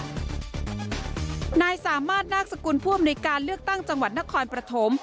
นายสามารถนักสกุลภูมิในการเลือกตั้งจังหวัดนครประถม